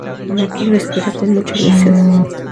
Maki lo espera con mucha ilusión.